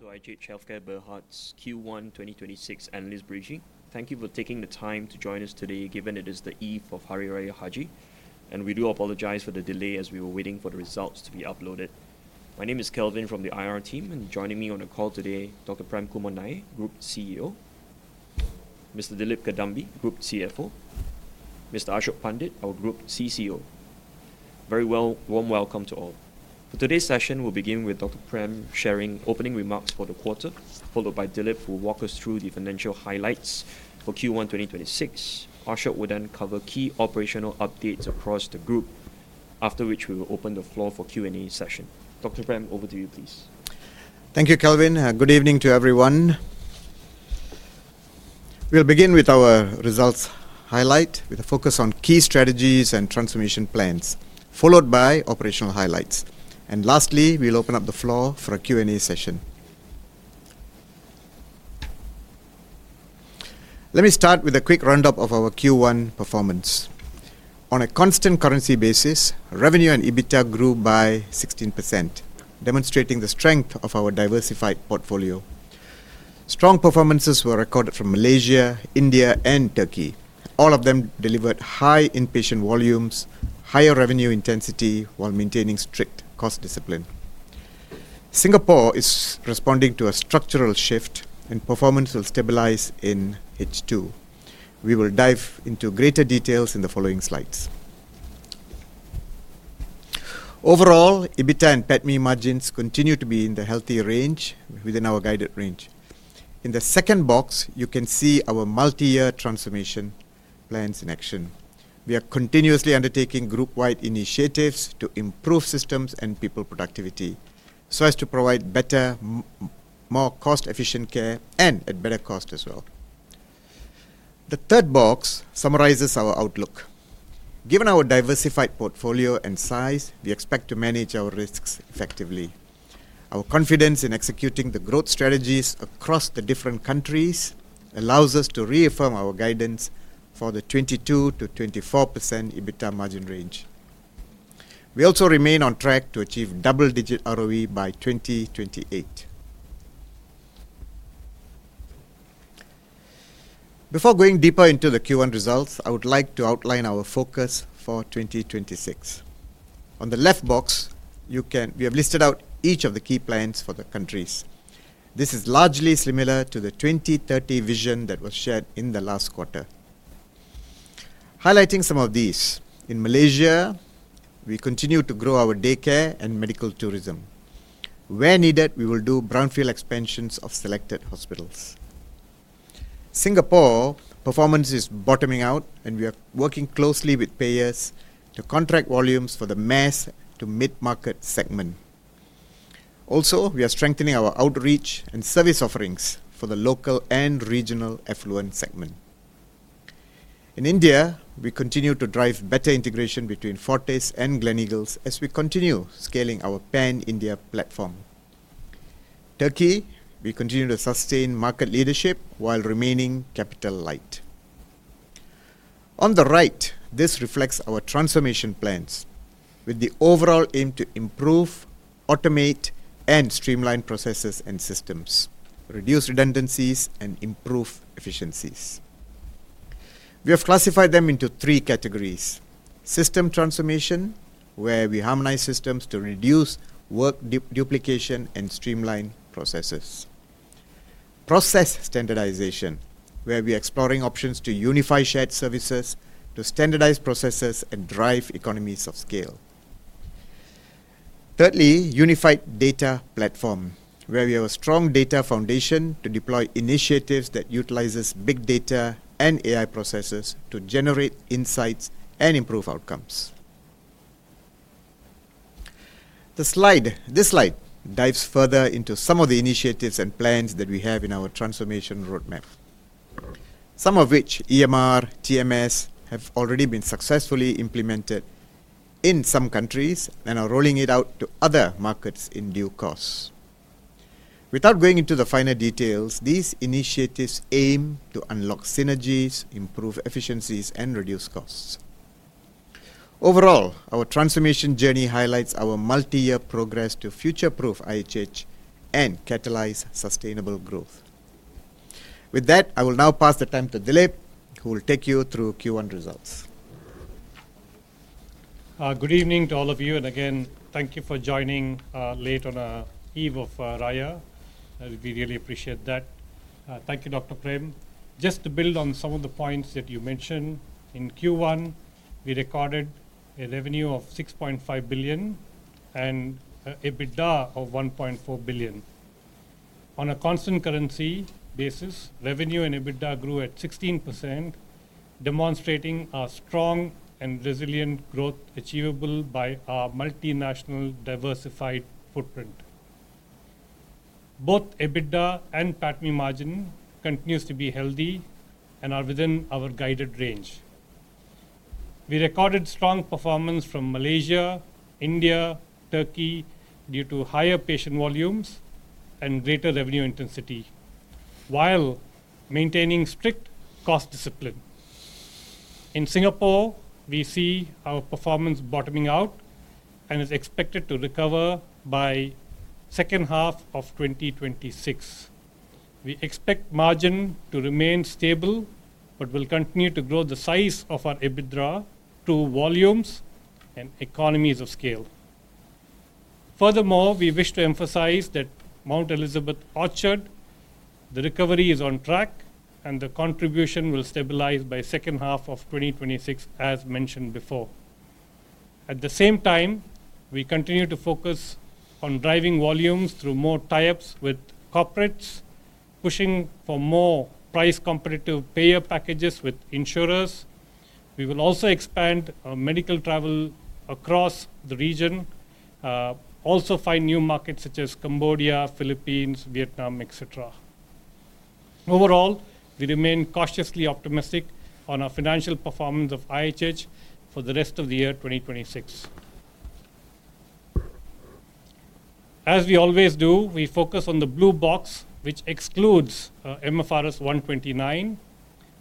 Welcome to IHH Healthcare Berhad's Q1 2026 analyst briefing. Thank you for taking the time to join us today given it is the eve of Hari Raya Haji. We do apologize for the delay as we were waiting for the results to be uploaded. My name is Kelvin from the IR team, joining me on the call today, Dr. Prem Kumar Nair, Group CEO, Mr. Dilip Kadambi, Group CFO, Mr. Ashok Pandit, our Group CCO. Very warm welcome to all. For today's session, we will begin with Dr. Prem sharing opening remarks for the quarter, followed by Dilip who will walk us through the financial highlights for Q1 2026. Ashok will cover key operational updates across the group, after which we will open the floor for Q&A session. Dr. Prem, over to you, please. Thank you, Kelvin. Good evening to everyone. We will begin with our results highlight with a focus on key strategies and transformation plans, followed by operational highlights. Lastly, we will open up the floor for a Q&A session. Let me start with a quick roundup of our Q1 performance. On a constant currency basis, revenue and EBITDA grew by 16%, demonstrating the strength of our diversified portfolio. Strong performances were recorded from Malaysia, India, and Turkey. All of them delivered high inpatient volumes, higher revenue intensity while maintaining strict cost discipline. Singapore is responding to a structural shift. Performance will stabilize in H2. We will dive into greater details in the following slides. Overall, EBITDA and PATMI margins continue to be in the healthy range within our guided range. In the second box, you can see our multi-year transformation plans in action. We are continuously undertaking group-wide initiatives to improve systems and people productivity so as to provide better, more cost-efficient care and at better cost as well. The third box summarizes our outlook. Given our diversified portfolio and size, we expect to manage our risks effectively. Our confidence in executing the growth strategies across the different countries allows us to reaffirm our guidance for the 22%-24% EBITDA margin range. We also remain on track to achieve double-digit ROE by 2028. Before going deeper into the Q1 results, I would like to outline our focus for 2026. On the left box, we have listed out each of the key plans for the countries. This is largely similar to the 2030 vision that was shared in the last quarter. Highlighting some of these, in Malaysia, we continue to grow our daycare and medical tourism. Where needed, we will do brownfield expansions of selected hospitals. Singapore performance is bottoming out. We are working closely with payers to contract volumes for the mass to mid-market segment. Also, we are strengthening our outreach and service offerings for the local and regional affluent segment. In India, we continue to drive better integration between Fortis and Gleneagles as we continue scaling our pan-India platform. Turkey, we continue to sustain market leadership while remaining capital light. On the right, this reflects our transformation plans with the overall aim to improve, automate, and streamline processes and systems, reduce redundancies, and improve efficiencies. We have classified them into three categories. System transformation, where we harmonize systems to reduce work duplication and streamline processes. Process standardization, where we are exploring options to unify shared services to standardize processes and drive economies of scale. Thirdly, unified data platform, where we have a strong data foundation to deploy initiatives that utilizes big data and AI processes to generate insights and improve outcomes. This slide dives further into some of the initiatives and plans that we have in our transformation roadmap. Some of which EMR, TMS, have already been successfully implemented in some countries and are rolling it out to other markets in due course. Without going into the finer details, these initiatives aim to unlock synergies, improve efficiencies, and reduce costs. Overall, our transformation journey highlights our multi-year progress to future-proof IHH and catalyze sustainable growth. With that, I will now pass the time to Dilip, who will take you through Q1 results. Good evening to all of you. Again, thank you for joining late on the eve of Raya. We really appreciate that. Thank you, Dr. Prem. Just to build on some of the points that you mentioned, in Q1, we recorded a revenue of 6.5 billion and EBITDA of 1.4 billion. On a constant currency basis, revenue and EBITDA grew at 16%, demonstrating a strong and resilient growth achievable by our multinational diversified footprint. Both EBITDA and PATMI margin continues to be healthy and are within our guided range. We recorded strong performance from Malaysia, India, Turkey due to higher patient volumes and greater revenue intensity while maintaining strict cost discipline. In Singapore, we see our performance bottoming out and is expected to recover by second half of 2026. We expect margin to remain stable but will continue to grow the size of our EBITDA through volumes and economies of scale. Furthermore, we wish to emphasize that Mount Elizabeth Orchard, the recovery is on track, and the contribution will stabilize by second half of 2026, as mentioned before. At the same time, we continue to focus on driving volumes through more tie-ups with corporates, pushing for more price-competitive payer packages with insurers. We will also expand our medical travel across the region, also find new markets such as Cambodia, Philippines, Vietnam, et cetera. Overall, we remain cautiously optimistic on our financial performance of IHH for the rest of the year 2026. As we always do, we focus on the blue box, which excludes MFRS 129.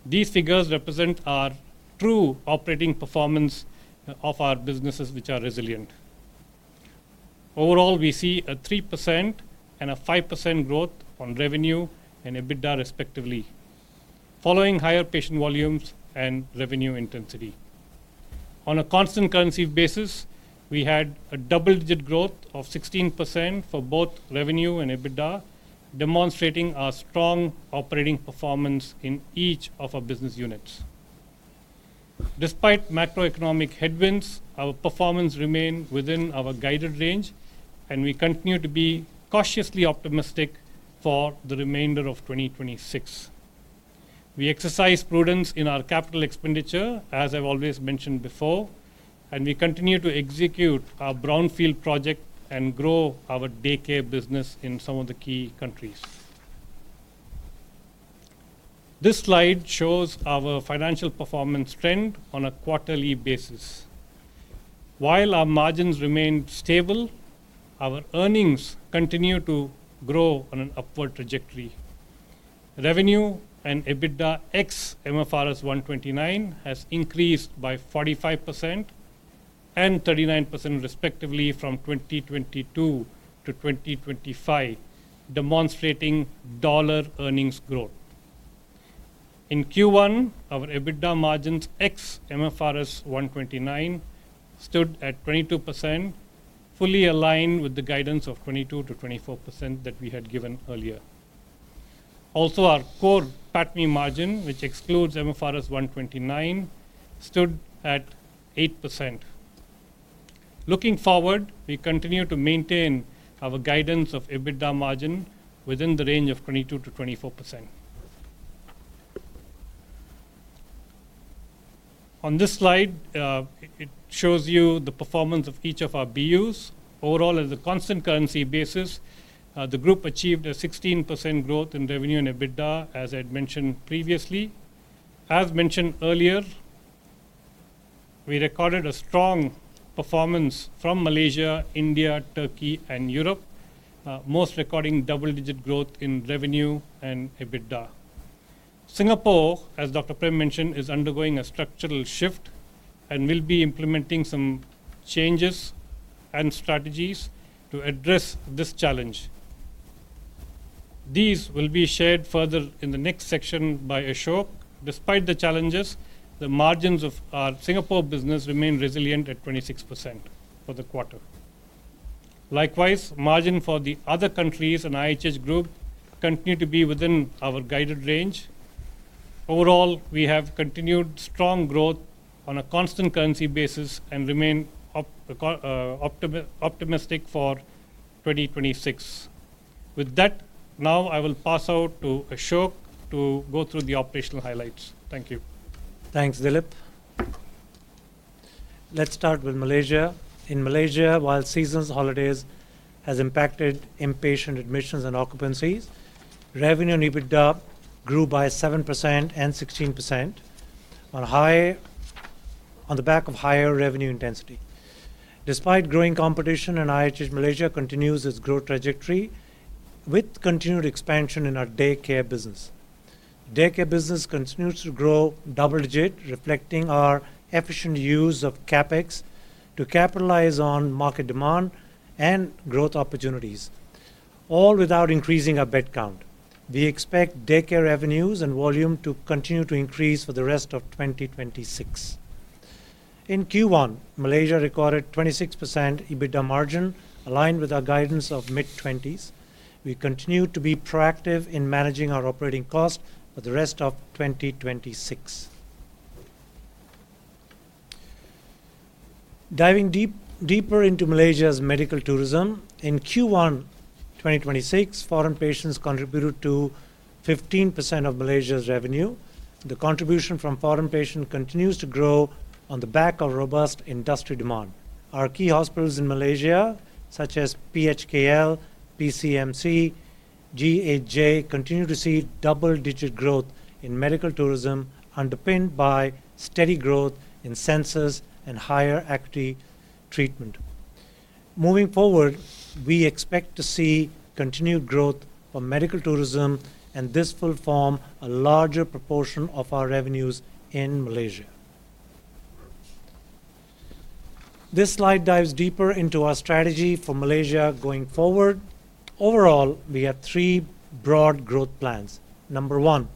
These figures represent our true operating performance of our businesses, which are resilient. Overall, we see a 3% and a 5% growth on revenue and EBITDA, respectively, following higher patient volumes and revenue intensity. On a constant currency basis, we had a double-digit growth of 16% for both revenue and EBITDA, demonstrating our strong operating performance in each of our business units. Despite macroeconomic headwinds, our performance remained within our guided range, and we continue to be cautiously optimistic for the remainder of 2026. We exercise prudence in our capital expenditure, as I've always mentioned before, and we continue to execute our brownfield project and grow our daycare business in some of the key countries. This slide shows our financial performance trend on a quarterly basis. While our margins remain stable, our earnings continue to grow on an upward trajectory. Revenue and EBITDA ex MFRS 129 has increased by 45% and 39%, respectively, from 2022 to 2025, demonstrating dollar earnings growth. In Q1, our EBITDA margins ex MFRS 129 stood at 22%, fully aligned with the guidance of 22%-24% that we had given earlier. Also, our core PATMI margin, which excludes MFRS 129, stood at 8%. Looking forward, we continue to maintain our guidance of EBITDA margin within the range of 22%-24%. On this slide, it shows you the performance of each of our BUs. Overall, as a constant currency basis, the group achieved a 16% growth in revenue and EBITDA, as I had mentioned previously. As mentioned earlier, we recorded a strong performance from Malaysia, India, Turkey, and Europe, most recording double-digit growth in revenue and EBITDA. Singapore, as Dr. Prem mentioned, is undergoing a structural shift and will be implementing some changes and strategies to address this challenge. These will be shared further in the next section by Ashok. Despite the challenges, the margins of our Singapore business remain resilient at 26% for the quarter. Likewise, margin for the other countries and IHH Group continue to be within our guided range. Overall, we have continued strong growth on a constant currency basis and remain optimistic for 2026. With that, now I will pass over to Ashok to go through the operational highlights. Thank you. Thanks, Dilip. Let's start with Malaysia. In Malaysia, while seasons, holidays has impacted inpatient admissions and occupancies, revenue and EBITDA grew by 7% and 16% on the back of higher revenue intensity. Despite growing competition in IHH, Malaysia continues its growth trajectory with continued expansion in our daycare business. Daycare business continues to grow double-digit, reflecting our efficient use of CapEx to capitalize on market demand and growth opportunities, all without increasing our bed count. We expect daycare revenues and volume to continue to increase for the rest of 2026. In Q1, Malaysia recorded 26% EBITDA margin, aligned with our guidance of mid-20s. We continue to be proactive in managing our operating cost for the rest of 2026. Diving deeper into Malaysia's medical tourism, in Q1 2026, foreign patients contributed to 15% of Malaysia's revenue. The contribution from foreign patient continues to grow on the back of robust industry demand. Our key hospitals in Malaysia, such as PHKL, PCMC, GHJ, continue to see double-digit growth in medical tourism, underpinned by steady growth in census and higher acuity treatment. Moving forward, we expect to see continued growth for medical tourism, and this will form a larger proportion of our revenues in Malaysia. This slide dives deeper into our strategy for Malaysia going forward. Overall, we have three broad growth plans. Number one,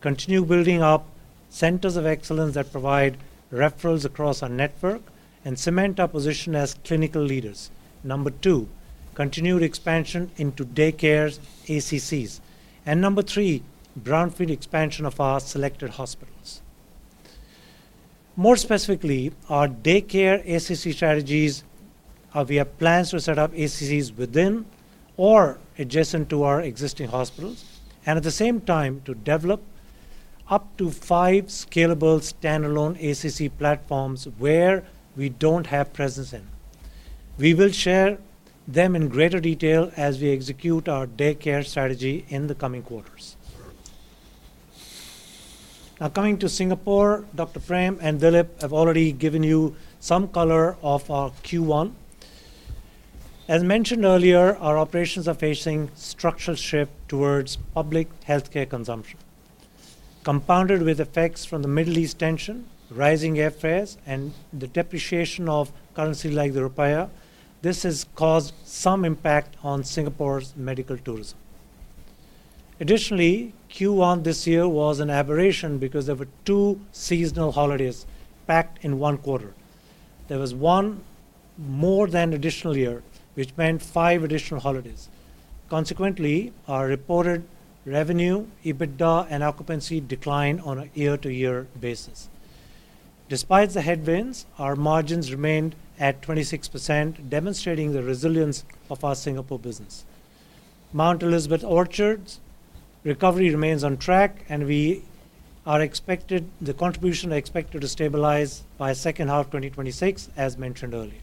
continue building up centers of excellence that provide referrals across our network and cement our position as clinical leaders. Number two, continued expansion into daycare ACCs. Number three, brownfield expansion of our selected hospitals. More specifically, our daycare ACC strategies are, we have plans to set up ACCs within or adjacent to our existing hospitals, and at the same time, to develop up to five scalable standalone ACC platforms where we don't have presence in. We will share them in greater detail as we execute our daycare strategy in the coming quarters. Coming to Singapore, Dr. Prem and Dilip have already given you some color of our Q1. As mentioned earlier, our operations are facing structural shift towards public healthcare consumption. Compounded with effects from the Middle East tension, rising airfares, and the depreciation of currency like the Rupee, this has caused some impact on Singapore's medical tourism. Additionally, Q1 this year was an aberration because there were two seasonal holidays packed in one quarter. There was one more than additional year, which meant five additional holidays. Consequently, our reported revenue, EBITDA, and occupancy declined on a year-over-year basis. Despite the headwinds, our margins remained at 26%, demonstrating the resilience of our Singapore business. Mount Elizabeth Orchard recovery remains on track, and the contribution expected to stabilize by second half 2026, as mentioned earlier.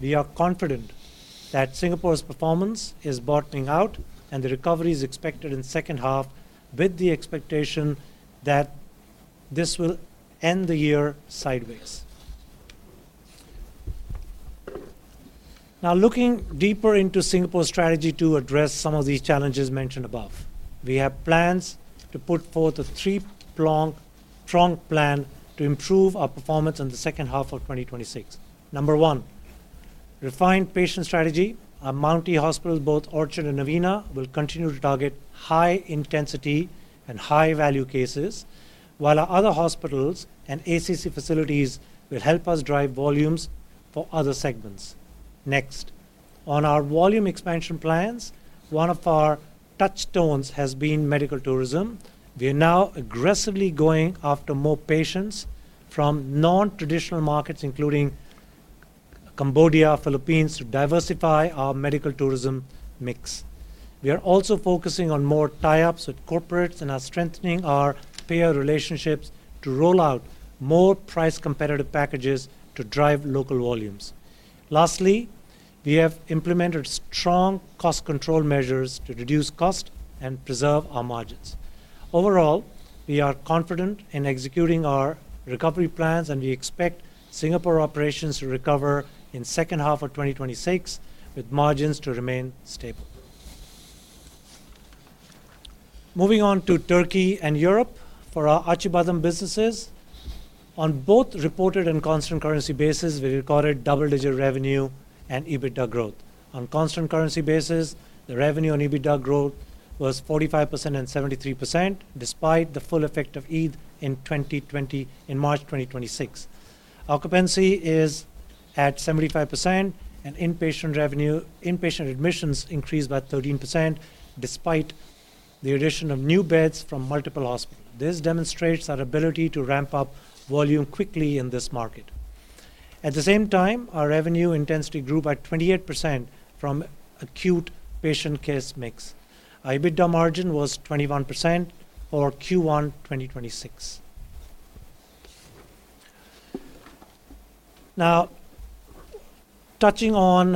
We are confident that Singapore's performance is bottoming out and the recovery is expected in the second half, with the expectation that this will end the year sideways. Looking deeper into Singapore's strategy to address some of these challenges mentioned above. We have plans to put forth a three-prong plan to improve our performance in the second half of 2026. Number one, refined patient strategy. Our Mount E hospitals, both Orchard and Novena, will continue to target high-intensity and high-value cases, while our other hospitals and ACC facilities will help us drive volumes for other segments. On our volume expansion plans, one of our touchstones has been medical tourism. We are now aggressively going after more patients from non-traditional markets, including Cambodia, Philippines, to diversify our medical tourism mix. We are also focusing on more tie-ups with corporates and are strengthening our payer relationships to roll out more price-competitive packages to drive local volumes. Lastly, we have implemented strong cost control measures to reduce cost and preserve our margins. Overall, we are confident in executing our recovery plans, and we expect Singapore operations to recover in second half of 2026, with margins to remain stable. Moving on to Turkey and Europe for our Acibadem businesses. On both reported and constant currency basis, we recorded double-digit revenue and EBITDA growth. On constant currency basis, the revenue and EBITDA growth was 45% and 73%, despite the full effect of Eid in March 2026. Occupancy is at 75%, and inpatient admissions increased by 13%, despite the addition of new beds from multiple hospitals. This demonstrates our ability to ramp up volume quickly in this market. At the same time, our revenue intensity grew by 28% from acute patient case mix. Our EBITDA margin was 21% for Q1 2026. Touching on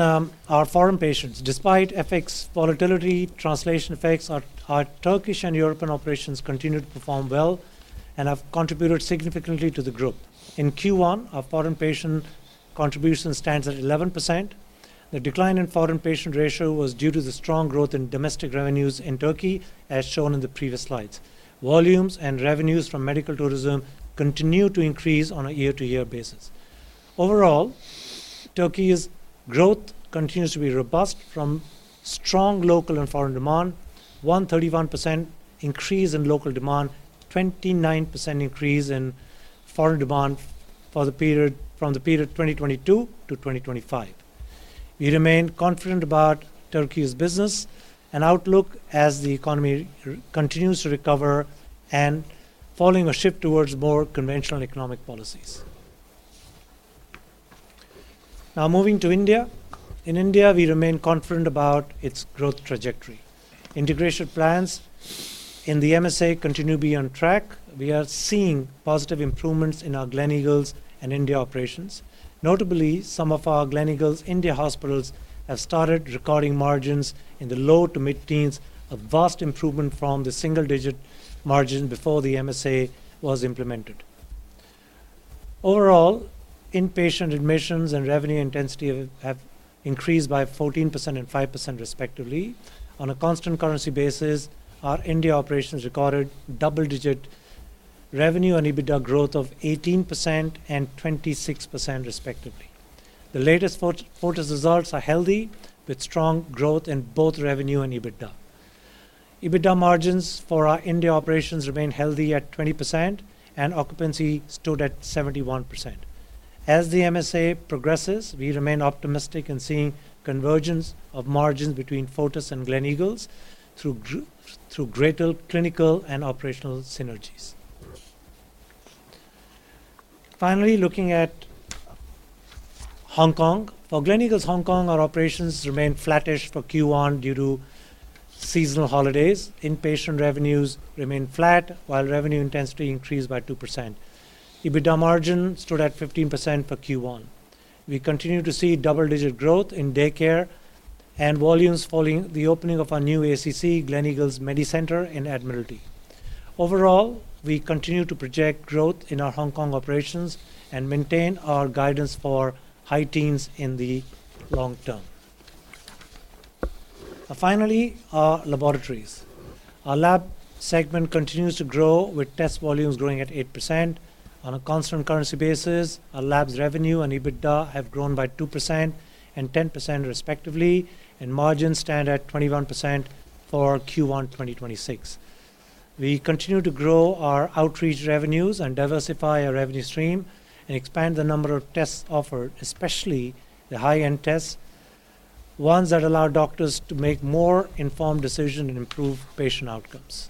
our foreign patients. Despite FX volatility, translation effects, our Turkish and European operations continue to perform well and have contributed significantly to the group. In Q1, our foreign patient contribution stands at 11%. The decline in foreign patient ratio was due to the strong growth in domestic revenues in Turkey, as shown in the previous slides. Volumes and revenues from medical tourism continue to increase on a year-over-year basis. Overall, Turkey's growth continues to be robust from strong local and foreign demand, 131% increase in local demand, 29% increase in foreign demand from the period 2022 to 2025. We remain confident about Turkey's business and outlook as the economy continues to recover and following a shift towards more conventional economic policies. Moving to India. In India, we remain confident about its growth trajectory. Integration plans in the MSA continue to be on track. We are seeing positive improvements in our Gleneagles India operations. Notably, some of our Gleneagles India hospitals have started recording margins in the low-to-mid teens, a vast improvement from the single-digit margin before the MSA was implemented. Overall, inpatient admissions and revenue intensity have increased by 14% and 5% respectively. On a constant currency basis, our India operations recorded double-digit revenue and EBITDA growth of 18% and 26% respectively. The latest Fortis results are healthy with strong growth in both revenue and EBITDA. EBITDA margins for our India operations remain healthy at 20%, and occupancy stood at 71%. As the MSA progresses, we remain optimistic in seeing convergence of margins between Fortis and Gleneagles through greater clinical and operational synergies. Finally, looking at Hong Kong. For Gleneagles Hong Kong, our operations remain flattish for Q1 due to seasonal holidays. Inpatient revenues remain flat, while revenue intensity increased by 2%. EBITDA margin stood at 15% for Q1. We continue to see double-digit growth in daycare and volumes following the opening of our new ACC, Gleneagles MediCentre in Admiralty. Overall, we continue to project growth in our Hong Kong operations and maintain our guidance for high teens in the long term. Finally, our laboratories. Our lab segment continues to grow with test volumes growing at 8%. On a constant currency basis, our labs revenue and EBITDA have grown by 2% and 10% respectively, and margins stand at 21% for Q1 2026. We continue to grow our outreach revenues and diversify our revenue stream and expand the number of tests offered, especially the high-end tests, ones that allow doctors to make more informed decision and improve patient outcomes.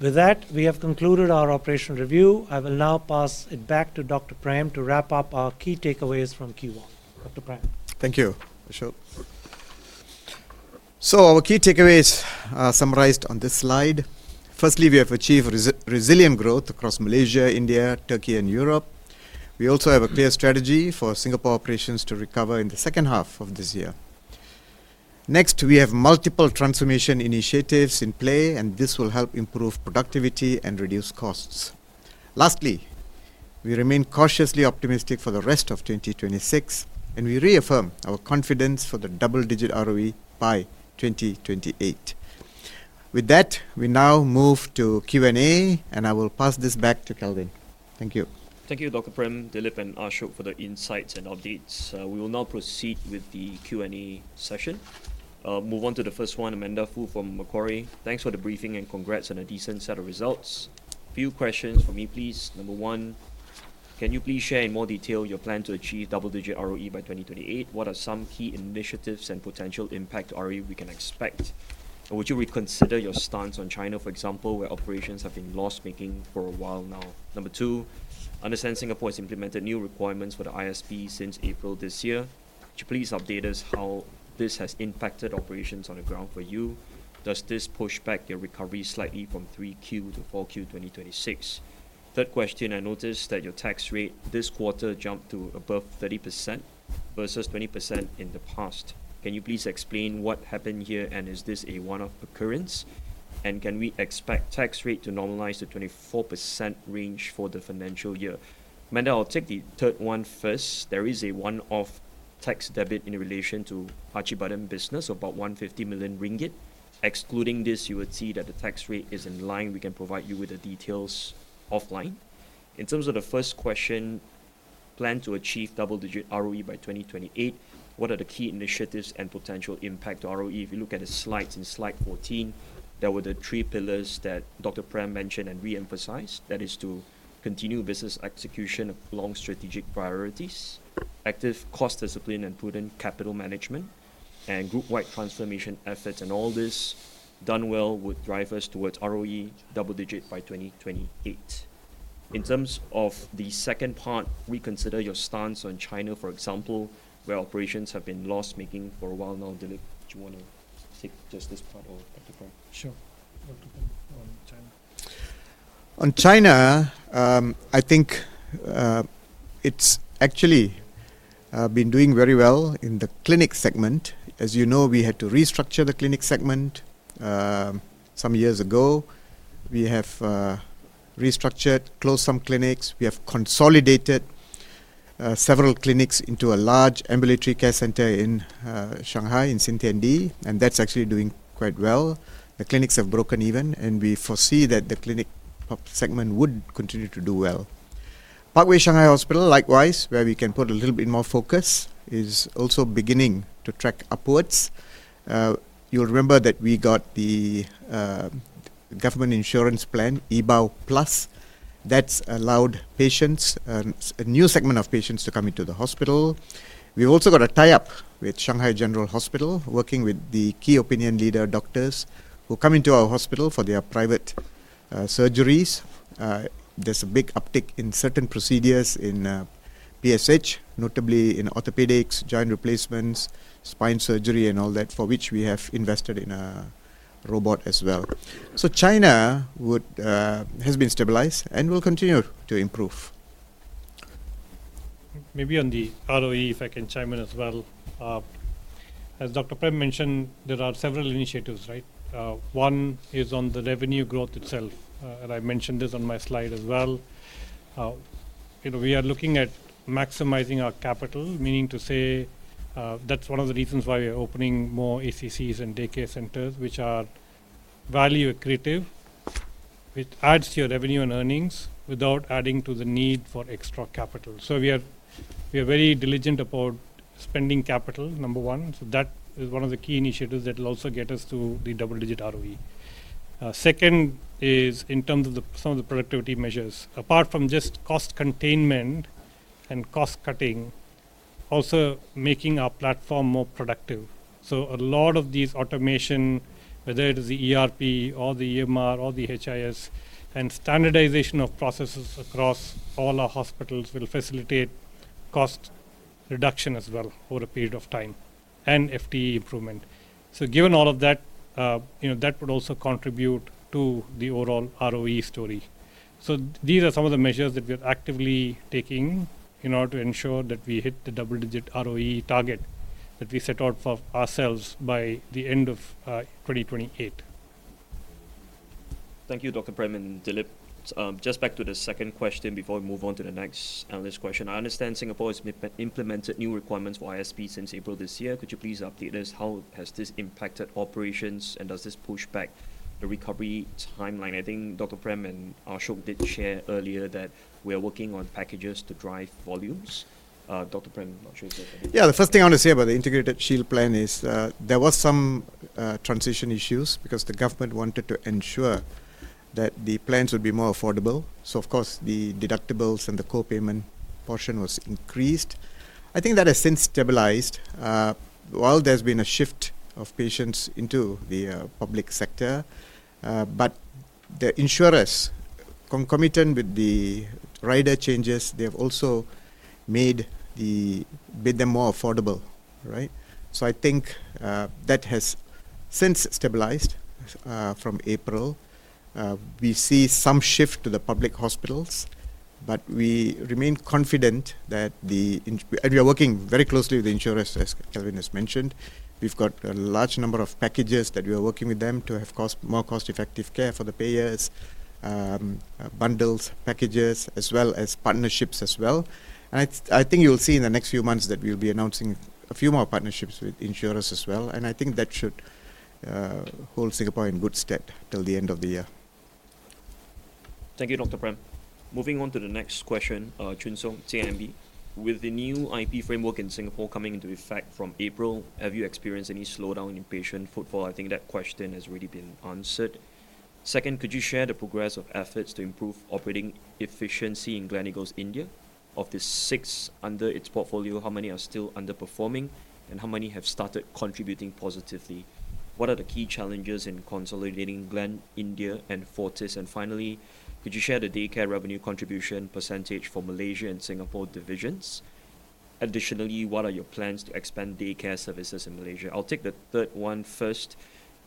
With that, we have concluded our operational review. I will now pass it back to Dr. Prem to wrap up our key takeaways from Q1. Dr. Prem. Thank you, Ashok. Our key takeaways are summarized on this slide. Firstly, we have achieved resilient growth across Malaysia, India, Turkey, and Europe. We also have a clear strategy for Singapore operations to recover in the second half of this year. Next, we have multiple transformation initiatives in play, this will help improve productivity and reduce costs. Lastly, we remain cautiously optimistic for the rest of 2026, we reaffirm our confidence for the double-digit ROE by 2028. With that, we now move to Q&A, I will pass this back to Kelvin. Thank you. Thank you, Dr Prem, Dilip, and Ashok for the insights and updates. We will now proceed with the Q&A session. Move on to the first one, Amanda Foo from Macquarie. Thanks for the briefing and congrats on a decent set of results. Few questions from me, please. Number one, can you please share in more detail your plan to achieve double-digit ROE by 2028? What are some key initiatives and potential impact ROE we can expect? Would you reconsider your stance on China, for example, where operations have been loss-making for a while now? Number two, understand Singapore has implemented new requirements for the ISP since April this year. Could you please update us how this has impacted operations on the ground for you? Does this push back your recovery slightly from 3Q to 4Q 2026? Third question, I noticed that your tax rate this quarter jumped to above 30% versus 20% in the past. Can you please explain what happened here, is this a one-off occurrence, and can we expect tax rate to normalize to 24% range for the financial year? Amanda, I'll take the third one first. There is a one-off tax debit in relation to Acibadem business, about 150 million ringgit. Excluding this, you would see that the tax rate is in line. We can provide you with the details offline. In terms of the first question, plan to achieve double-digit ROE by 2028, what are the key initiatives and potential impact to ROE? If you look at the slides in slide 14, there were the three pillars that Dr Prem mentioned and re-emphasized. That is to continue business execution along strategic priorities, active cost discipline and prudent capital management, and group-wide transformation efforts. All this done well would drive us towards ROE double digit by 2028. In terms of the second part, reconsider your stance on China, for example, where operations have been loss-making for a while now. Dilip, do you want to take just this part, or Dr Prem? Sure. Dr Prem, on China. On China, I think it's actually been doing very well in the clinic segment. As you know, we had to restructure the clinic segment some years ago. We have restructured, closed some clinics. We have consolidated several clinics into a large ambulatory care center in Shanghai in Xintiandi, and that's actually doing quite well. The clinics have broken even, and we foresee that the clinic segment would continue to do well. Parkway Shanghai Hospital, likewise, where we can put a little bit more focus, is also beginning to track upwards. You'll remember that we got the government insurance plan, Yibao Plus. That's allowed patients, a new segment of patients to come into the hospital. We've also got a tie-up with Shanghai General Hospital, working with the key opinion leader doctors who come into our hospital for their private surgeries. There's a big uptick in certain procedures in PSH, notably in orthopedics, joint replacements, spine surgery and all that, for which we have invested in a robot as well. China has been stabilized and will continue to improve. Maybe on the ROE, if I can chime in as well. As Dr. Prem mentioned, there are several initiatives. One is on the revenue growth itself, and I mentioned this on my slide as well. We are looking at maximizing our capital, meaning to say that's one of the reasons why we're opening more ACCs and daycare centers, which are value accretive. It adds to your revenue and earnings without adding to the need for extra capital. We are very diligent about spending capital, number one. That is one of the key initiatives that will also get us to the double-digit ROE. Second is in terms of some of the productivity measures. Apart from just cost containment and cost-cutting, also making our platform more productive. A lot of these automation, whether it is the ERP or the EMR or the HIS and standardization of processes across all our hospitals will facilitate cost reduction as well over a period of time and FTE improvement. Given all of that would also contribute to the overall ROE story. These are some of the measures that we are actively taking in order to ensure that we hit the double-digit ROE target that we set out for ourselves by the end of 2028. Thank you, Dr. Prem and Dilip. Just back to the second question before we move on to the next analyst question. I understand Singapore has implemented new requirements for IP since April this year. Could you please update us how has this impacted operations, and does this push back the recovery timeline? I think Dr. Prem and Ashok did share earlier that we are working on packages to drive volumes. The first thing I want to say about the Integrated Shield Plan is there was some transition issues because the government wanted to ensure that the plans would be more affordable. Of course, the deductibles and the co-payment portion was increased. I think that has since stabilized. While there's been a shift of patients into the public sector, the insurers concomitant with the rider changes, they've also made them more affordable. I think that has since stabilized from April. We see some shift to the public hospitals, we remain confident that and we are working very closely with the insurers, as Kelvin has mentioned. We've got a large number of packages that we are working with them to have more cost-effective care for the payers, bundles, packages as well as partnerships as well. I think you'll see in the next few months that we'll be announcing a few more partnerships with insurers as well. I think that should hold Singapore in good stead till the end of the year. Thank you, Dr. Prem. Moving on to the next question. Chun Siong, CIMB. With the new IP framework in Singapore coming into effect from April, have you experienced any slowdown in patient footfall? I think that question has already been answered. Second, could you share the progress of efforts to improve operating efficiency in Gleneagles India? Of the six under its portfolio, how many are still underperforming, and how many have started contributing positively? What are the key challenges in consolidating Glen India and Fortis? Finally, could you share the daycare revenue contribution percentage for Malaysia and Singapore divisions? Additionally, what are your plans to expand daycare services in Malaysia? I'll take the third one first.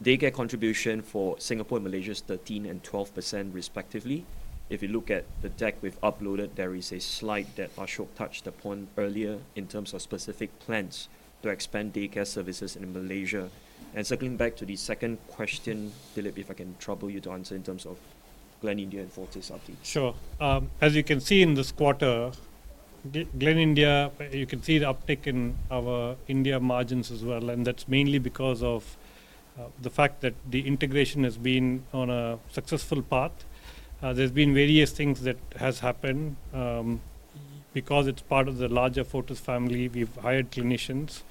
Daycare contribution for Singapore and Malaysia is 13% and 12%, respectively. If you look at the deck we've uploaded, there is a slide that Ashok touched upon earlier in terms of specific plans to expand daycare services in Malaysia. Circling back to the second question, Dilip, if I can trouble you to answer in terms of Glen India and Fortis updates. Sure. As you can see in this quarter, Glen India, you can see the uptick in our India margins as well, that's mainly because of the fact that the integration has been on a successful path. There's been various things that has happened. Because it's part of the larger Fortis family, we've hired clinicians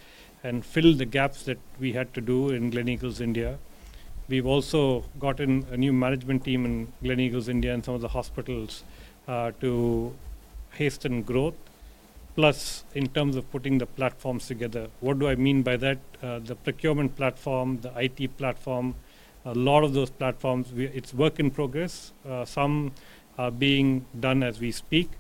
and filled the gaps that we had to do in Gleneagles India. We've also gotten a new management team in Gleneagles India and some of the hospitals to hasten growth. Plus, in terms of putting the platforms together. What do I mean by that? The procurement platform, the IT platform, a lot of those platforms, it's work in progress. Some are being done as we speak.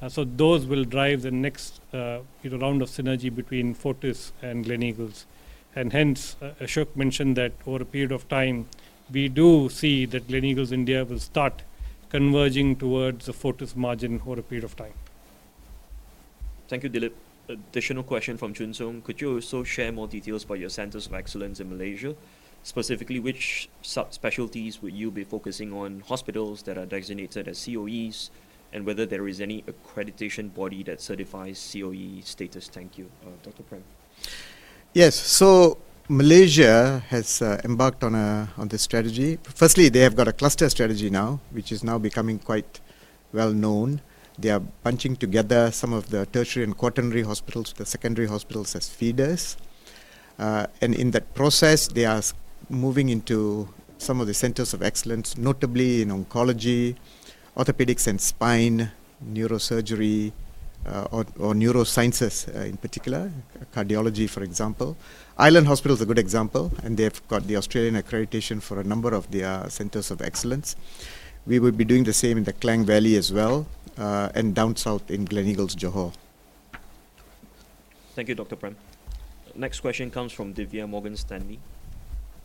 Those will drive the next round of synergy between Fortis and Gleneagles. Hence, Ashok mentioned that over a period of time, we do see that Gleneagles India will start converging towards the Fortis margin over a period of time. Thank you, Dilip. Additional question from Chun Siong. Could you also share more details about your centers of excellence in Malaysia? Specifically, which subspecialties will you be focusing on, hospitals that are designated as COEs, and whether there is any accreditation body that certifies COE status? Thank you, Dr. Prem. Malaysia has embarked on this strategy. Firstly, they have got a cluster strategy now, which is now becoming quite well known. They are bunching together some of the tertiary and quaternary hospitals with the secondary hospitals as feeders. In that process, they are moving into some of the centers of excellence, notably in oncology, orthopedics and spine, neurosurgery or neurosciences in particular, cardiology for example. Island Hospital is a good example, and they've got the Australian accreditation for a number of their centers of excellence. We will be doing the same in the Klang Valley as well and down south in Gleneagles, Johor. Thank you, Dr. Prem. Next question comes from Divya, Morgan Stanley.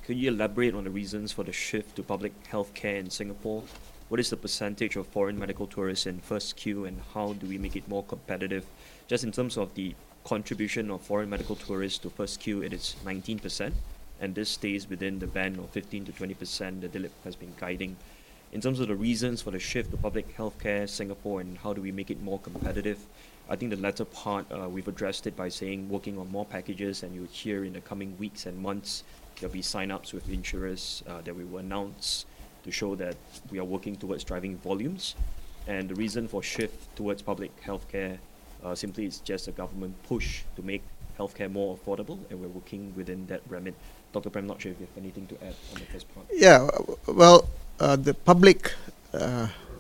Could you elaborate on the reasons for the shift to public healthcare in Singapore? What is the percentage of foreign medical tourists in first Q, and how do we make it more competitive? Just in terms of the contribution of foreign medical tourists to first Q, it is 19%, and this stays within the band of 15%-20% that Dilip has been guiding. In terms of the reasons for the shift to public healthcare Singapore, and how do we make it more competitive, I think the latter part we've addressed it by saying working on more packages, and you'll hear in the coming weeks and months there'll be sign-ups with insurers that we will announce to show that we are working towards driving volumes. The reason for shift towards public healthcare simply is just a government push to make healthcare more affordable, and we're working within that remit. Dr. Prem, not sure if you have anything to add on at this point. The public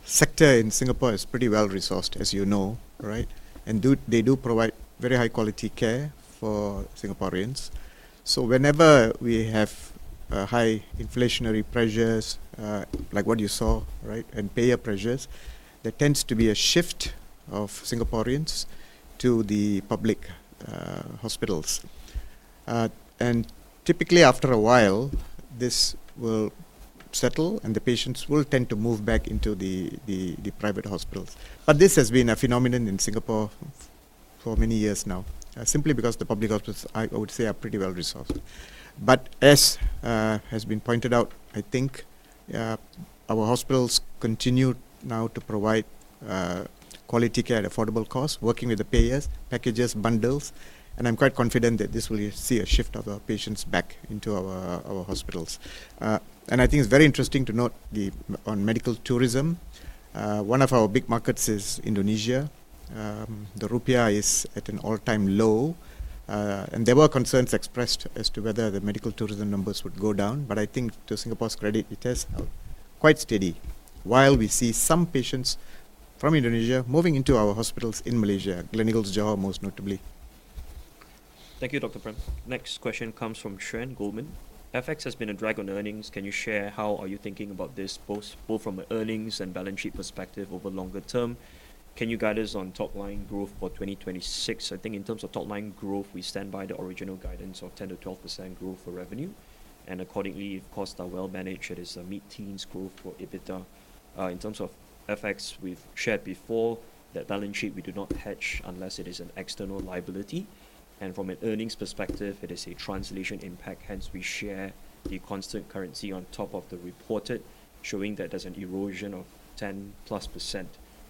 sector in Singapore is pretty well-resourced, as you know. Right? They do provide very high-quality care for Singaporeans. Whenever we have high inflationary pressures, like what you saw, and payer pressures, there tends to be a shift of Singaporeans to the public hospitals. Typically, after a while, this will settle, and the patients will tend to move back into the private hospitals. This has been a phenomenon in Singapore for many years now simply because the public hospitals, I would say, are pretty well-resourced. As has been pointed out, I think our hospitals continue now to provide quality care at affordable cost, working with the payers, packages, bundles, and I'm quite confident that this will see a shift of our patients back into our hospitals. I think it's very interesting to note on medical tourism one of our big markets is Indonesia. The rupiah is at an all-time low and there were concerns expressed as to whether the medical tourism numbers would go down. I think to Singapore's credit, it has held quite steady while we see some patients from Indonesia moving into our hospitals in Malaysia, Gleneagles Johor, most notably. Thank you, Dr. Prem. Next question comes from Shren, Goldman. FX has been a drag on earnings. Can you share how are you thinking about this, both from an earnings and balance sheet perspective over longer term? Can you guide us on top line growth for 2026? I think in terms of top line growth, we stand by the original guidance of 10%-12% growth for revenue, and accordingly, if costs are well managed, it is a mid-teens growth for EBITDA. In terms of FX, we've shared before that balance sheet we do not hedge unless it is an external liability. From an earnings perspective, it is a translation impact, hence we share the constant currency on top of the reported, showing that there's an erosion of 10-plus%.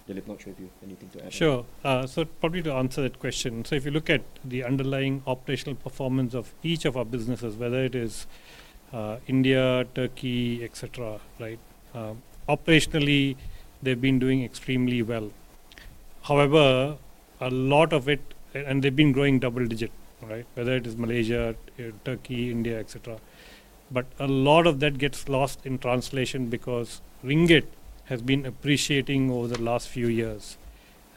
Dilip, not sure if you have anything to add. Sure. Probably to answer that question. If you look at the underlying operational performance of each of our businesses, whether it is India, Turkey, et cetera. Operationally, they've been doing extremely well. They've been growing double digit. Whether it is Malaysia, Turkey, India, et cetera. A lot of that gets lost in translation because ringgit has been appreciating over the last few years,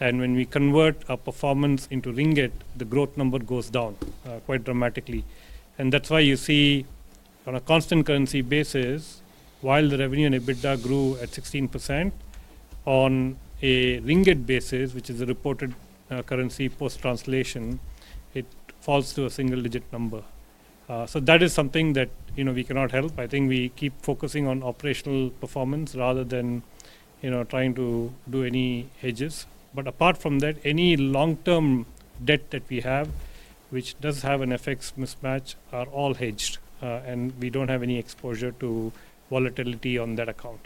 and when we convert our performance into ringgit, the growth number goes down quite dramatically. That's why you see on a constant currency basis, while the revenue and EBITDA grew at 16%, on a ringgit basis, which is a reported currency post-translation, it falls to a single-digit number. That is something that we cannot help. I think we keep focusing on operational performance rather than trying to do any hedges. Apart from that, any long-term debt that we have, which does have an FX mismatch, are all hedged and we don't have any exposure to volatility on that account.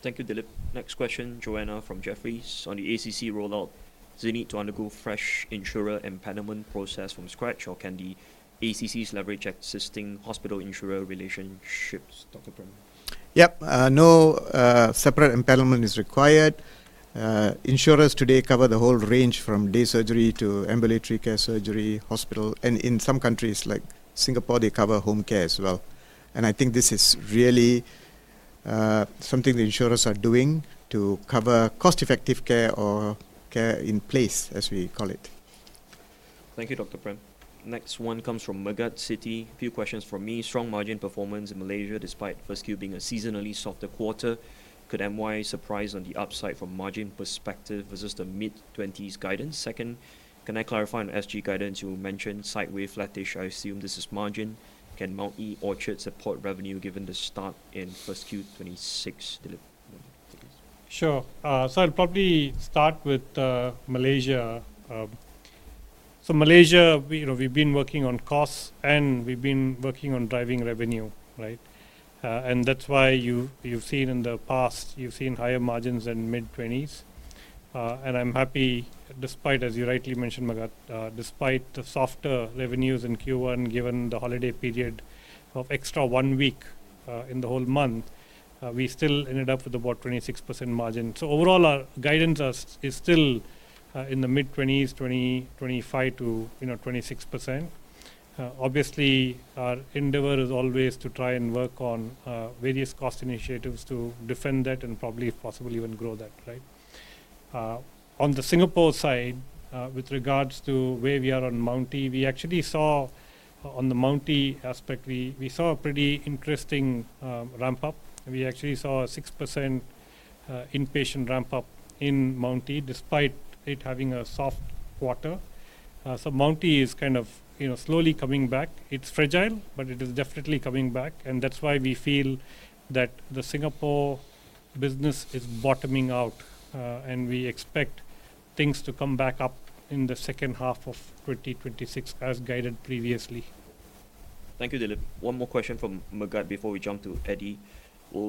Thank you, Dilip. Next question, Joanna from Jefferies. On the ACC rollout, does it need to undergo fresh insurer empanelment process from scratch, or can the ACCs leverage existing hospital insurer relationships, Dr Prem? Yep. No separate empanelment is required. Insurers today cover the whole range from day surgery to ambulatory care surgery, hospital, and in some countries like Singapore, they cover home care as well. I think this is really something the insurers are doing to cover cost-effective care or care in place, as we call it. Thank you, Dr Prem. Next one comes from Megat, Citi. Few questions from me. Strong margin performance in Malaysia despite first Q being a seasonally softer quarter. Could MY surprise on the upside from margin perspective versus the mid-20s guidance? Second, can I clarify on SG guidance you mentioned sideways, flattish, I assume this is margin. Can Mount Elizabeth Orchard support revenue given the start in first Q 2026, Dilip? Sure. I'll probably start with Malaysia. Malaysia, we've been working on costs, and we've been working on driving revenue. That's why you've seen in the past, you've seen higher margins in mid-20s. I'm happy despite, as you rightly mentioned, Megat, despite the softer revenues in Q1, given the holiday period of extra 1 week in the whole month we still ended up with about 26% margin. Overall, our guidance is still in the mid-20s, 20, 25%-26%. Obviously, our endeavor is always to try and work on various cost initiatives to defend that and probably, if possible, even grow that. On the Singapore side with regards to where we are on Mount Elizabeth, we actually saw on the Mount Elizabeth aspect, we saw a pretty interesting ramp-up. We actually saw a 6% inpatient ramp up in Mount Elizabeth despite it having a soft quarter. Mount E is slowly coming back. It's fragile, but it is definitely coming back, and that's why we feel that the Singapore business is bottoming out. We expect things to come back up in the second half of 2026 as guided previously. Thank you, Dilip. One more question from Magath before we jump to Eddie.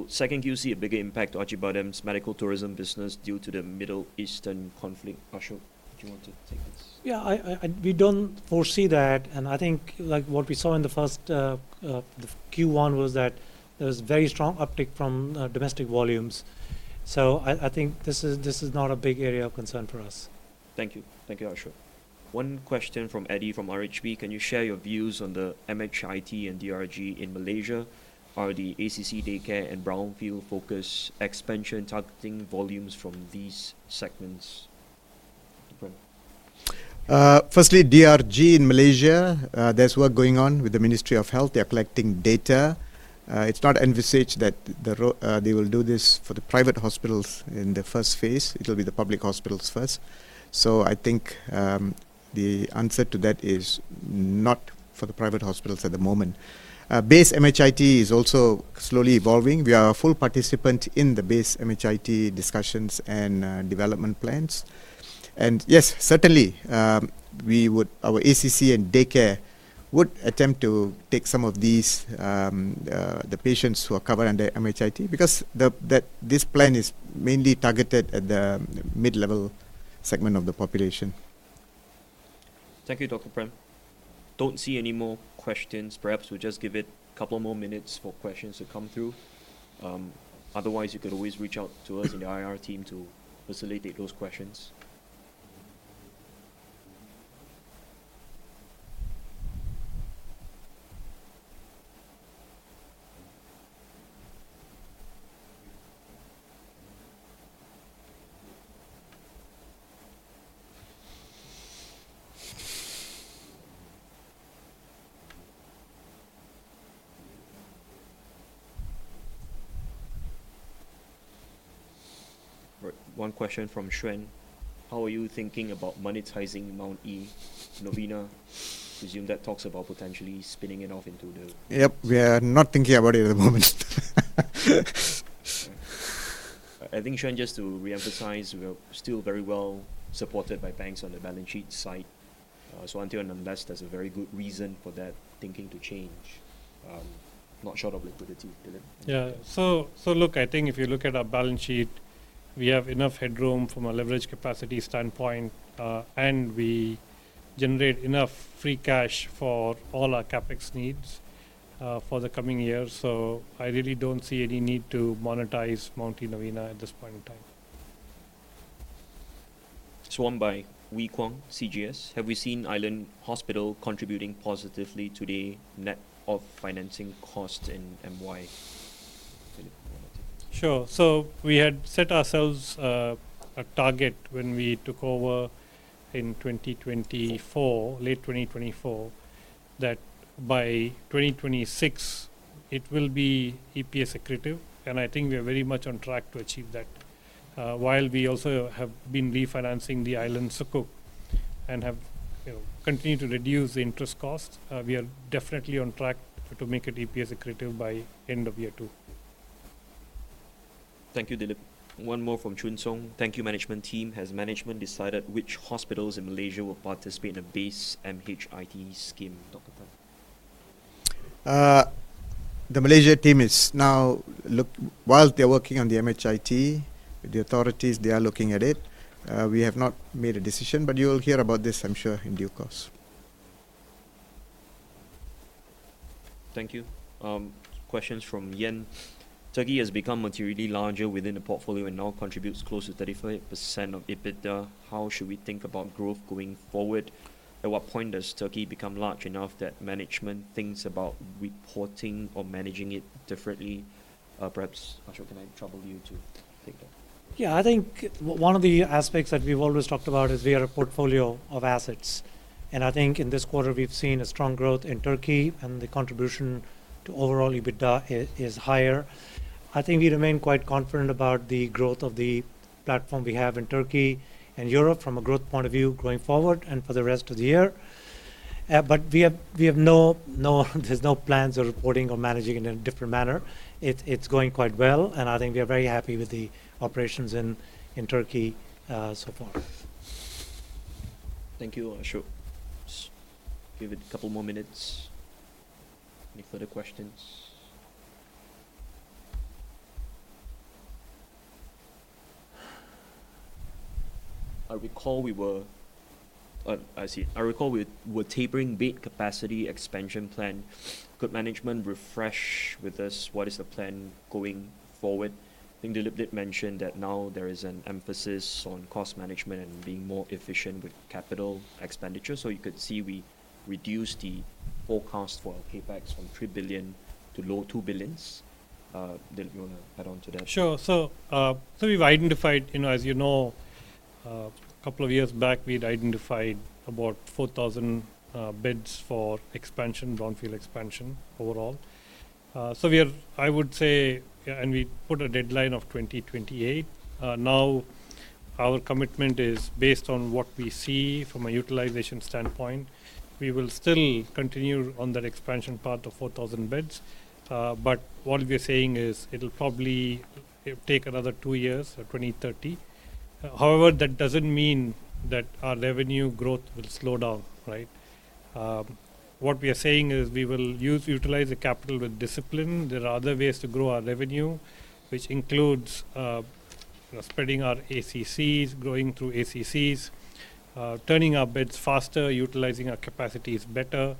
Second, do you see a bigger impact to IHH Acibadem's medical tourism business due to the Middle Eastern conflict? Ashok, do you want to take this? We don't foresee that, and I think what we saw in the first Q1 was that there was very strong uptick from domestic volumes. I think this is not a big area of concern for us. Thank you, Ashok. One question from Eddie from RHB. Can you share your views on the MHIT and DRG in Malaysia? Are the ACC daycare and brownfield focus expansion targeting volumes from these segments? Prem. DRG in Malaysia, there's work going on with the Ministry of Health. They're collecting data. It's not envisaged that they will do this for the private hospitals in the first phase. It'll be the public hospitals first. I think the answer to that is not for the private hospitals at the moment. Base MHIT is also slowly evolving. We are a full participant in the Base MHIT discussions and development plans. Yes, certainly our ACC and daycare would attempt to take some of the patients who are covered under MHIT because this plan is mainly targeted at the mid-level segment of the population. Thank you, Dr. Prem. Don't see any more questions. Perhaps we'll just give it a couple more minutes for questions to come through. Otherwise, you could always reach out to us in the IR team to facilitate those questions. Right. One question from Shren. How are you thinking about monetizing Mount Elizabeth Novena? Presume that talks about potentially spinning it off into the- Yep. We are not thinking about it at the moment. I think, Shren, just to reemphasize, we are still very well supported by banks on the balance sheet side. Until and unless there's a very good reason for that thinking to change, not short of liquidity, Dilip. Look, I think if you look at our balance sheet, we have enough headroom from a leverage capacity standpoint. We generate enough free cash for all our CapEx needs for the coming year. I really don't see any need to monetize Mount E Novena at this point in time. This one by Wee Kwang, CGS. Have we seen Island Hospital contributing positively to the net of financing costs and why? Dilip, do you want to take that? Sure. We had set ourselves a target when we took over in 2024, late 2024, that by 2026 it will be EPS accretive. I think we are very much on track to achieve that. While we also have been refinancing the Island Sukuk and have continued to reduce the interest costs we are definitely on track to make it EPS accretive by end of year two. Thank you, Dilip. One more from Chun Song. Thank you, management team. Has management decided which hospitals in Malaysia will participate in a Base MHIT scheme, Dr. Prem? The Malaysia team is now whilst they're working on the MHIT, the authorities, they are looking at it. We have not made a decision, but you will hear about this, I'm sure, in due course. Thank you. Questions from Yen. Turkey has become materially larger within the portfolio and now contributes close to 35% of EBITDA. How should we think about growth going forward? At what point does Turkey become large enough that management thinks about reporting or managing it differently? Perhaps, Ashok, can I trouble you to take that? Yeah. I think one of the aspects that we've always talked about is we are a portfolio of assets. I think in this quarter, we've seen a strong growth in Turkey, and the contribution to overall EBITDA is higher. I think we remain quite confident about the growth of the platform we have in Turkey and Europe from a growth point of view going forward and for the rest of the year. There's no plans or reporting or managing in a different manner. It's going quite well, and I think we are very happy with the operations in Turkey so far. Thank you, Ashok. Just give it a couple more minutes. Any further questions? I recall we were tapering bed capacity expansion plan. Could management refresh with us what is the plan going forward? I think Dilip did mention that now there is an emphasis on cost management and being more efficient with capital expenditure. You could see we reduced the forecast for our CapEx from 3 billion to low 2 billion. Dilip, you want to add on to that? Sure. We've identified, as you know, a couple of years back, we'd identified about 4,000 beds for brownfield expansion overall. We put a deadline of 2028. Our commitment is based on what we see from a utilization standpoint. We will still continue on that expansion part of 4,000 beds. What we are saying is it will probably take another two years, so 2030. However, that doesn't mean that our revenue growth will slow down. What we are saying is we will utilize the capital with discipline. There are other ways to grow our revenue, which includes spreading our ACCs, growing through ACCs, turning our beds faster, utilizing our capacities better.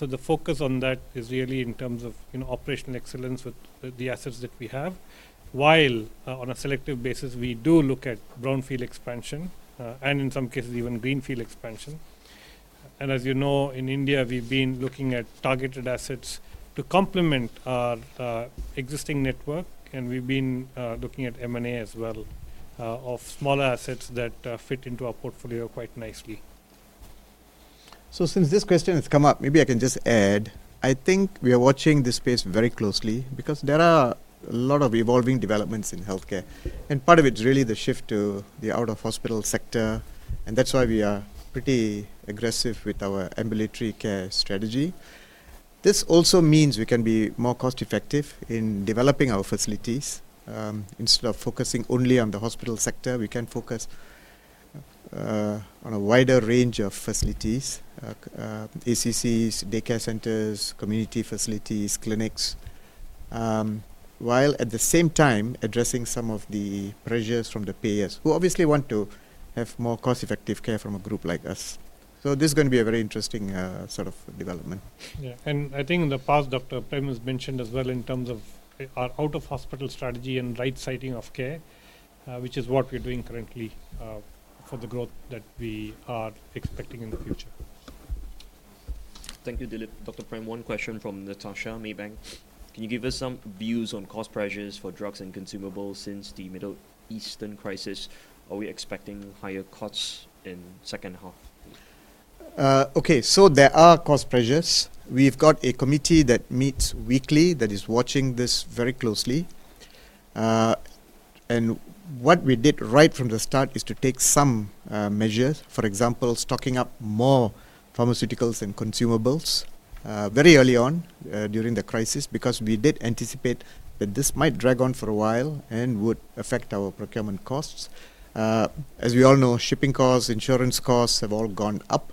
The focus on that is really in terms of operational excellence with the assets that we have, while on a selective basis, we do look at brownfield expansion, and in some cases, even greenfield expansion. As you know, in India, we've been looking at targeted assets to complement our existing network, and we've been looking at M&A as well of smaller assets that fit into our portfolio quite nicely. Since this question has come up, maybe I can just add. I think we are watching this space very closely because there are a lot of evolving developments in healthcare, and part of it is really the shift to the out-of-hospital sector, and that's why we are pretty aggressive with our ambulatory care strategy. This also means we can be more cost-effective in developing our facilities. Instead of focusing only on the hospital sector, we can focus on a wider range of facilities, ACCs, daycare centers, community facilities, clinics, while at the same time addressing some of the pressures from the payers who obviously want to have more cost-effective care from a group like us. This is going to be a very interesting sort of development. Yeah. I think in the past, Dr. Prem has mentioned as well in terms of our out-of-hospital strategy and right siting of care, which is what we're doing currently, for the growth that we are expecting in the future. Thank you, Dilip. Dr. Prem, one question from Natasha, Maybank. Can you give us some views on cost pressures for drugs and consumables since the Middle Eastern crisis? Are we expecting higher costs in second half? Okay. There are cost pressures. We've got a committee that meets weekly that is watching this very closely. What we did right from the start is to take some measures, for example, stocking up more pharmaceuticals and consumables very early on during the crisis because we did anticipate that this might drag on for a while and would affect our procurement costs. As we all know, shipping costs, insurance costs have all gone up.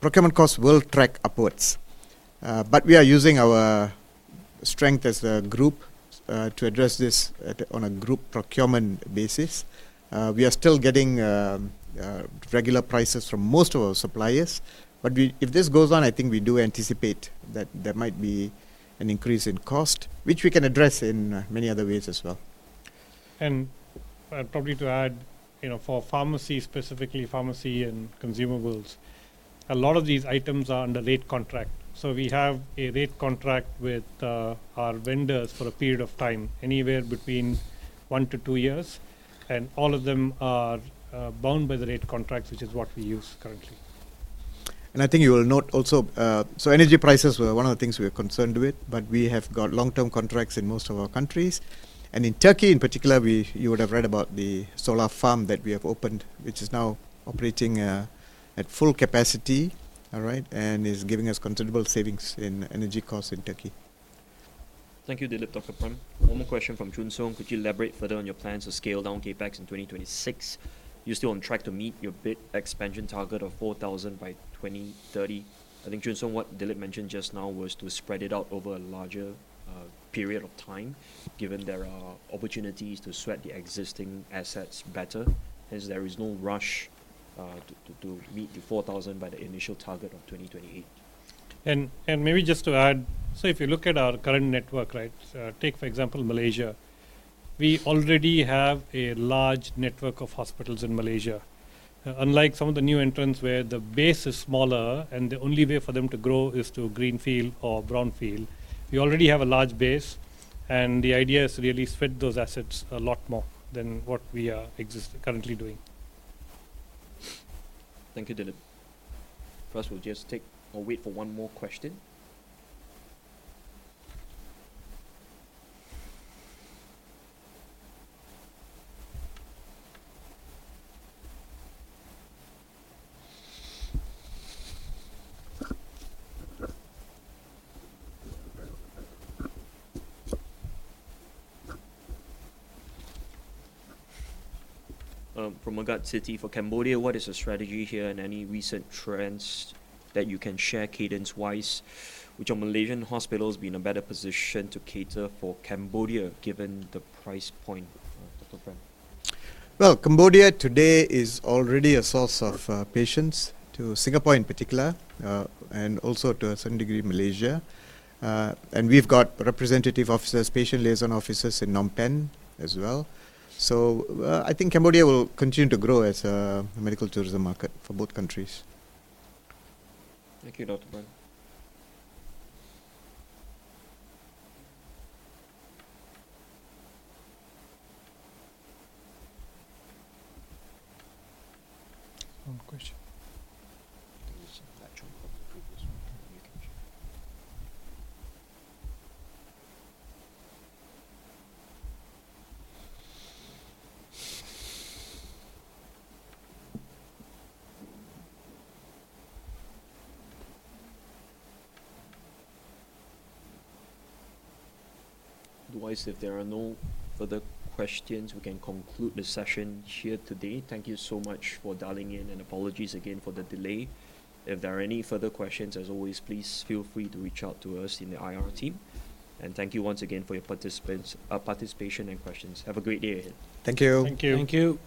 Procurement costs will track upwards. We are using our strength as a group to address this on a group procurement basis. We are still getting regular prices from most of our suppliers, if this goes on, I think we do anticipate that there might be an increase in cost, which we can address in many other ways as well. Probably to add, for pharmacy, specifically pharmacy and consumables, a lot of these items are under rate contract. We have a rate contract with our vendors for a period of time, anywhere between one to two years, all of them are bound by the rate contracts, which is what we use currently. I think you will note also, energy prices were one of the things we were concerned with, we have got long-term contracts in most of our countries. In Turkey in particular, you would have read about the solar farm that we have opened, which is now operating at full capacity and is giving us considerable savings in energy costs in Turkey. Thank you, Dilip, Dr. Prem. One more question from Chun Soong. Could you elaborate further on your plans to scale down CapEx in 2026? You are still on track to meet your bed expansion target of 4,000 by 2030? I think, Chun Soong, what Dilip mentioned just now was to spread it out over a larger period of time, given there are opportunities to sweat the existing assets better as there is no rush to meet the 4,000 by the initial target of 2028. Maybe just to add, if you look at our current network, take for example, Malaysia, we already have a large network of hospitals in Malaysia. Unlike some of the new entrants where the base is smaller and the only way for them to grow is through greenfield or brownfield, we already have a large base, the idea is to really spread those assets a lot more than what we are currently doing. Thank you, Dilip. First, we will just wait for one more question. From Magath, Citi, for Cambodia, what is the strategy here and any recent trends that you can share cadence-wise? Which of Malaysian hospitals will be in a better position to cater for Cambodia, given the price point, Dr. Prem? Cambodia today is already a source of patients to Singapore in particular, and also to a certain degree, Malaysia. We have got representative officers, patient liaison officers in Phnom Penh as well. I think Cambodia will continue to grow as a medical tourism market for both countries. Thank you, Dr. Prem. One question. There is a natural from the previous one. Otherwise, if there are no further questions, we can conclude the session here today. Thank you so much for dialing in, and apologies again for the delay. If there are any further questions, as always, please feel free to reach out to us in the IR team. Thank you once again for your participation and questions. Have a great day ahead. Thank you. Thank you. Thank you.